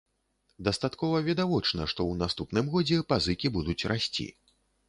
Дастаткова відавочна, што ў наступным годзе пазыкі будуць расці.